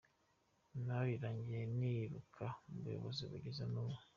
Nyuma birangiye niruka mu buyobozi kugeza n’ubu.